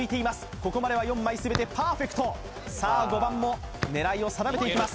ここまでは４枚全てパーフェクトさあ５番も狙いを定めていきます